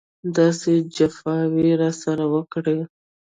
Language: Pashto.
داسې جفاوې یې راسره وکړې.